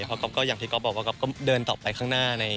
เพราะอย่างที่ก๊อฟบอกว่าก๊อฟก็เดินต่อไปข้างหน้า